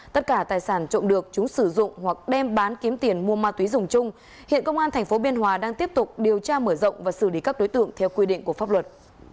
tất cả tài sản trộm được chúng sử dụng hoặc đem bán kiếm tiền mua ma túy dùng chung hiện công an tp biên hòa đang tiếp tục điều tra mở rộng và xử lý các đối tượng theo quy định của pháp luật